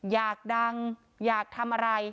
อยากดังอยากทำอะไร